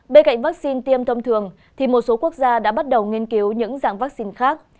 bên cạnh vaccine tiêm thông thường thì một số quốc gia đã bắt đầu nghiên cứu những dạng vaccine khác